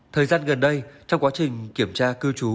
thời gian gần đây trong quá trình kiểm tra cư trú